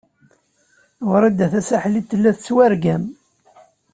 Wrida Tasaḥlit tella tettwargam.